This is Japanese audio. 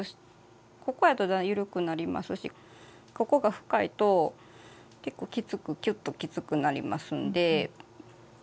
ここやと緩くなりますしここが深いと結構きつくきゅっときつくなりますんで。